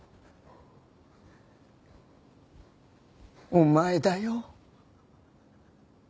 お前だよ。